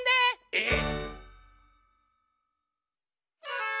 えっ！